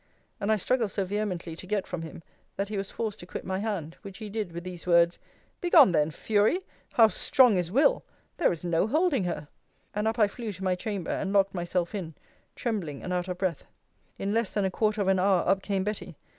And I struggled so vehemently to get from him, that he was forced to quit my hand; which he did with these words Begone then, Fury! how strong is will! there is no holding her. And up I flew to my chamber, and locked myself in, trembling and out of breath. In less than a quarter of an hour, up came Betty.